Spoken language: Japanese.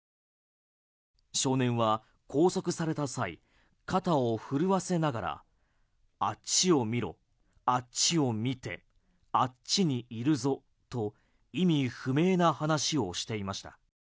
少年は拘束された際肩を震わせながらあっちを見ろあっちを見てあっちにいるぞと意味不明な話をしていました。